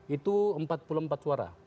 itu empat puluh empat suara